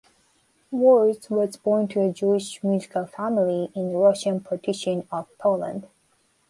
Wars was born to a Jewish musical family in the Russian partition of Poland.